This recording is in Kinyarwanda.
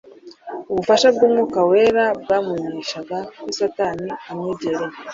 Ubufasha bw'Umwuka wera bwamumenyeshaga ko Satani amwegereye